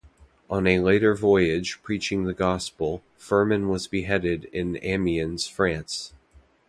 On a later voyage preaching the gospel, Fermin was beheaded in Amiens, France.